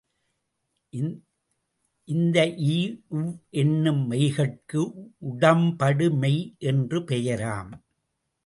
இந்த ய், வ் என்னும் மெய்கட்கு உடம்படு மெய் என்று பெயராம்.